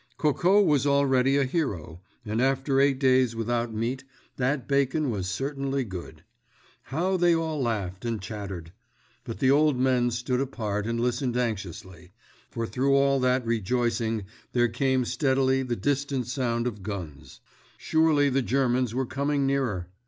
Coco was already a hero—and, after eight days without meat, that bacon was certainly good! How they all laughed and chattered! But the old men stood apart and listened anxiously; for, through all that rejoicing there came steadily the distant sound of guns. Surely the Germans were coming nearer!